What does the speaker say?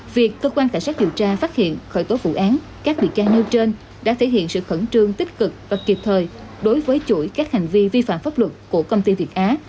việc cơ quan cảnh sát điều tra phát hiện khởi tố vụ án các bị can nêu trên đã thể hiện sự khẩn trương tích cực và kịp thời đối với chuỗi các hành vi vi phạm pháp luật của công ty việt á